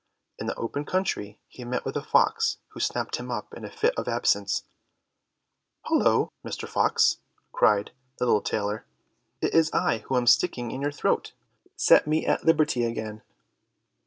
In the open country he met with a fox who snapped him up in a fit of absence. "Hollo, Mr. Fox," cried the little tailor, "it is I who am sticking in your throat, set me at liberty again."